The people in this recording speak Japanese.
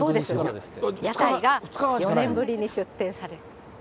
屋台が４年ぶりに出店される。